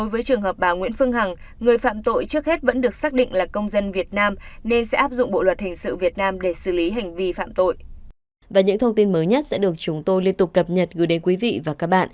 và những thông tin mới nhất sẽ được chúng tôi liên tục cập nhật gửi đến quý vị và các bạn